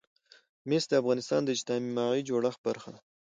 مس د افغانستان د اجتماعي جوړښت برخه ده.